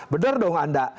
bener dong anda